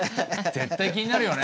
絶対気になるよね。